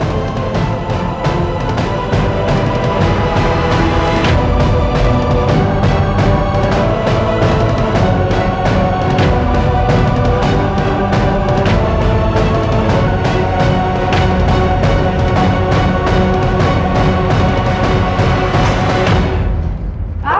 tapi sibuk ya